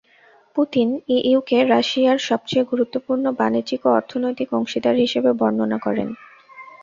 Putin ইইউকে রাশিয়ার সবচেয়ে গুরুত্বপূর্ণ বাণিজ্যিক ও অর্থনৈতিক অংশীদার হিসেবে বর্ণনা করেন।